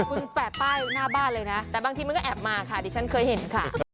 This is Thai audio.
คุณแปะป้ายหน้าบ้านเลยนะแต่บางทีมันก็แอบมาค่ะดิฉันเคยเห็นค่ะ